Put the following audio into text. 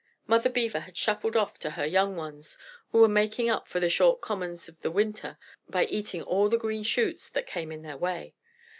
Mother Beaver had shuffled off to her young ones, who were making up for the short commons of the winter by eating all the green shoots that came in their way.